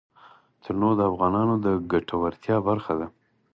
تنوع د افغانانو د ګټورتیا برخه ده.